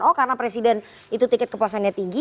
oh karena presiden itu tiket kepuasannya tinggi